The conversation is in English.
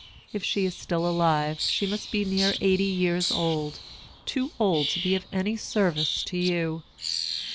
If she is still alive, she must be near eighty years old, too old to be of any service to you.